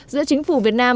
giữa chính phủ việt nam